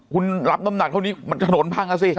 คุณรับน้ำหนักเขางี้มันทำหน่วนพังเอ่อสิ